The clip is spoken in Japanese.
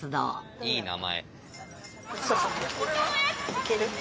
いい名前。